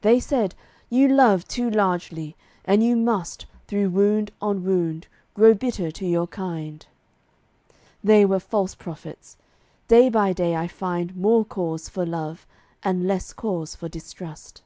They said, "You love too largely, and you must, Through wound on wound, grow bitter to your kind." They were false prophets; day by day I find More cause for love, and less cause for distrust.